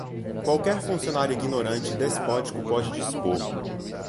qualquer funcionário ignorante e despótico pode dispor